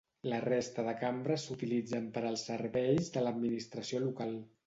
La resta de cambres s'utilitzen per als serveis de l'administració local.